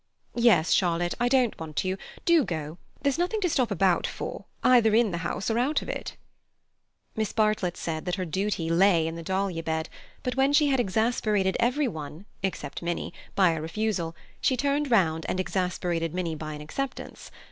"Yes, Charlotte, I don't want you—do go; there's nothing to stop about for, either in the house or out of it." Miss Bartlett said that her duty lay in the dahlia bed, but when she had exasperated everyone, except Minnie, by a refusal, she turned round and exasperated Minnie by an acceptance.